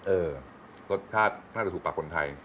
เออรสชาติน่าจะถูกปากคนไทย